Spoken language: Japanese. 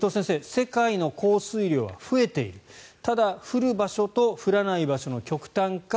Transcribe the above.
世界の降水量は増えているただ、降る場所と降らない場所の極端化